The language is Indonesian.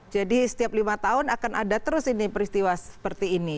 jadi setiap lima tahun akan ada terus ini peristiwa seperti ini